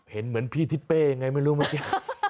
เห็นเหมือนพี่ทิศเป้ยังไงไม่รู้เมื่อกี้